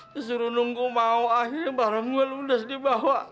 disuruh nunggu mau akhirnya barang gue ludes dibawa